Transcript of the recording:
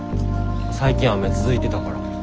最近雨続いてたから。